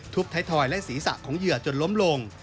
ไทยทอยและศีรษะของเหยื่อจนล้มลง